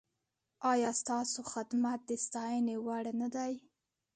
ایا ستاسو خدمت د ستاینې وړ نه دی؟